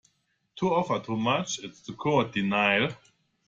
To offer too much, is to court denial.